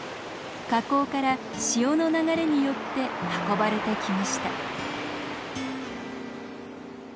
河口から潮の流れによって運ばれてきました。